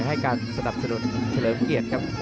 ให้การสนับสนุนเฉลิมเกียรติครับ